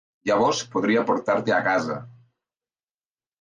Llavors podria portar-te a casa.